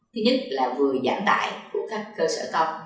thứ nhất là vừa giảm tải của các cơ sở công